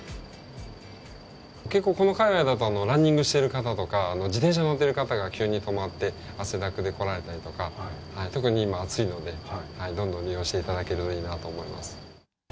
結構、この界隈だと、ランニングしてる方とか、自転車乗ってる方が急に止まって、汗だくで来られたりとか、特に今、暑いので、どんどん利用していただければいいなと思います。